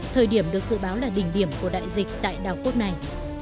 thời điểm được dự báo là đỉnh điểm của đại dịch tại đảo quốc này